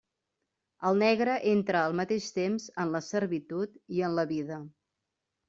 El negre entra al mateix temps en la servitud i en la vida.